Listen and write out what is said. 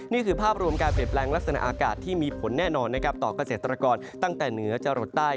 นี่คือภาพรวมการเปลี่ยนแปลงลักษณะอากาศที่มีผลแน่นอนนะครับต่อเกษตรกรตั้งแต่เหนือจรดใต้